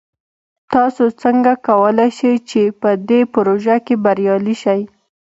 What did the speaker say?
تاسو څنګه کولی شئ چې په دې پروژه کې بریالي شئ؟